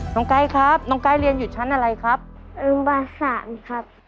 น้องไกล่ครับน้องไกล่เรียนอยู่ชั้นอะไรครับอนุบาลสามครับ